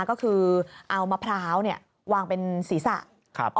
ก็คือเอามะพร้าววางเป็นศีรษะ